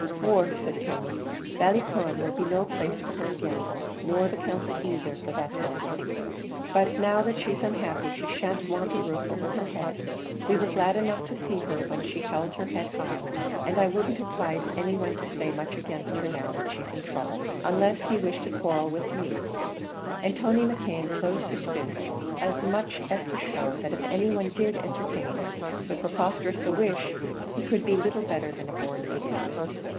"For," said Tony, "Ballycloran will be no place for her again, nor the county either for the matter of that; but now that she's unhappy she shan't want a roof over her head; we were glad enough to see her when she held her head high, and I wouldn't advise any one to say much against her now she's in throuble unless he wished to quarrel with me." And Tony McKeon closed his fist as much as to show that if any one did entertain so preposterous a wish he could be little better than a born idiot.